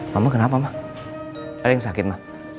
mama kenapa ma ada yang sakit ma